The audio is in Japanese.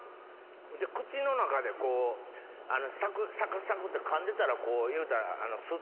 で口の中でこうサクっサクっサクって噛んでたらいうたら。